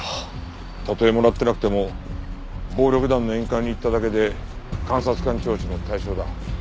たとえもらってなくても暴力団の宴会に行っただけで監察官聴取の対象だ。